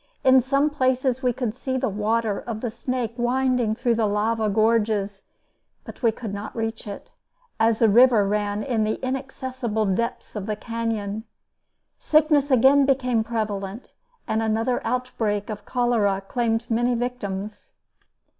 In some places we could see the water of the Snake winding through the lava gorges; but we could not reach it, as the river ran in the inaccessible depths of the canyon. Sickness again became prevalent, and another outbreak of cholera claimed many victims.